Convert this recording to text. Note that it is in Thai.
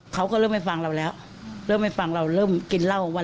เขาก็เริ่มไม่ฟังเราแล้วเริ่มไม่ฟังเราเริ่มกินเหล้าวัน